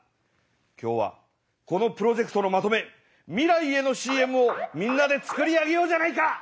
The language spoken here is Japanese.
今日はこのプロジェクトのまとめ未来へのＣＭをみんなで作り上げようじゃないか！